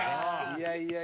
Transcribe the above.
いや。